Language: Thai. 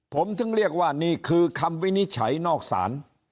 ผมถึงเรียกว่านี่คือคำวินิจฉัยนอกศาล